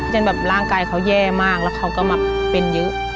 จนแบบร่างกายเขาแย่มากแล้วเขาก็มาเป็นเยอะ